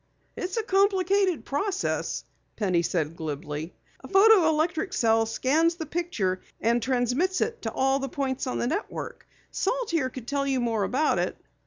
"It's a complicated process," Penny said glibly. "A photo electric cell scans the picture and transmits it to all the points on the network. Salt here could tell you more about it."